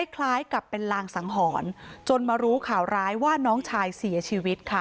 คล้ายกับเป็นลางสังหรณ์จนมารู้ข่าวร้ายว่าน้องชายเสียชีวิตค่ะ